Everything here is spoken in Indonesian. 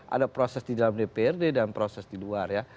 ada proses di dalam dprd dan proses di luar ya